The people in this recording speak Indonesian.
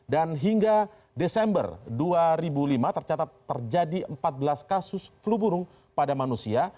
dan hingga desember dua ribu lima tercatat terjadi empat belas kasus flu burung pada manusia